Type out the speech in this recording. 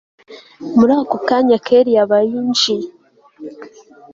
murako kanya kellia aba yinjiye